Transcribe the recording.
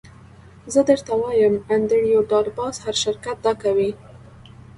زه درته وایم انډریو ډاټ باس هر شرکت دا کوي